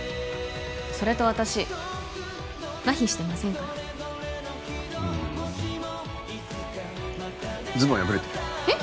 それと私麻痺してませんからふーんズボン破れてるよえっ？